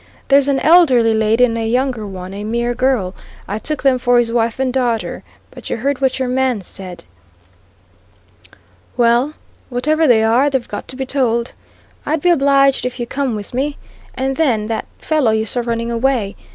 There's an elderly lady and a younger one, a mere girl. I took them for his wife and daughter. But you heard what your man said." "Well, whatever they are, they've got to be told. I'd be obliged if you'd come with me. And then that fellow you saw running away!